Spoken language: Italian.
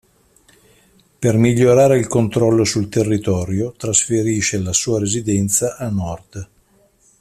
Per migliorare il controllo sul territorio, trasferisce la sua residenza a nord.